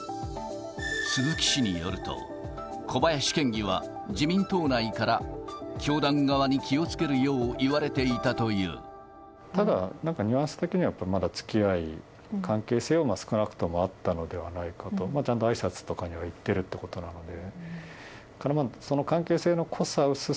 鈴木氏によると、小林県議は自民党内から教団側に気をつけるよう言われていたといただ、ニュアンス的にはまだつきあい、関係性は少なくともあったのではないかと、ちゃんとあいさつには行ってるっていうことなので。